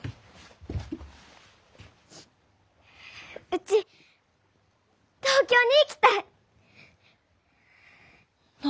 うち東京に行きたい！